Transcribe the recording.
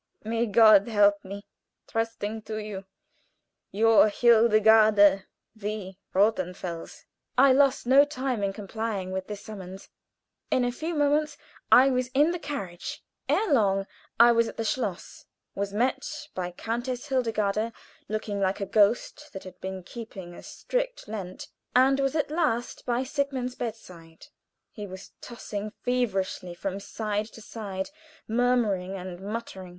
May God help me! Trusting to you, Your, "HILDEGARDE v. ROTHENFELS." I lost no time in complying with this summons. In a few moments I was in the carriage; ere long I was at the schloss, was met by Countess Hildegarde, looking like a ghost that had been keeping a strict Lent, and was at last by Sigmund's bedside. He was tossing feverishly from side to side, murmuring and muttering.